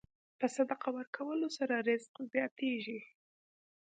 په صدقه ورکولو سره رزق زیاتېږي.